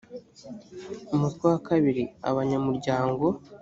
umutwe wa kabiri abanyamuryango